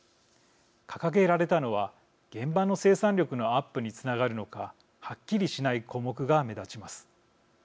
掲げられたのは現場の生産力のアップにつながるのかはっきりしない項目が目立ちます。